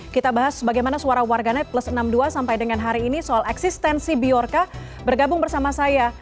kita bahas bagaimana suara warganet plus enam puluh dua sampai dengan hari ini soal eksistensi biorka bergabung bersama saya